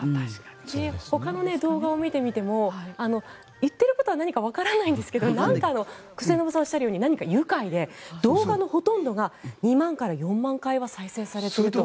ほかの動画を見てみても言ってることは何かわからないんですが末延さんがおっしゃるように何か愉快で、動画のほとんどが２万から４万回は再生されていると。